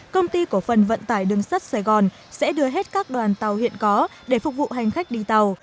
công ty cổ phần vận tải đường sắt sài gòn sẽ đưa hết các đoàn tàu hiện có để phục vụ hành khách đi tàu